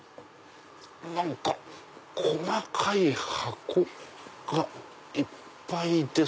何か細かい箱がいっぱいです。